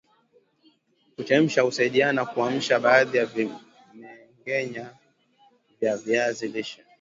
Kuchemsha husaidia kuamsha baadhi ya vimengenya vya viazi lishe